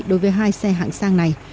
đối với hai xe hạng sang này